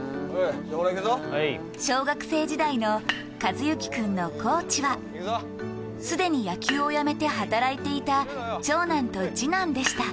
小学生時代の寿志君のコーチはすでに野球をやめて働いていた、長男と次男でした。